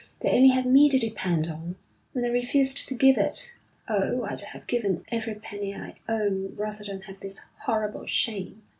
They only have me to depend on, and I refused to give it. Oh, I'd have given every penny I own rather than have this horrible shame.'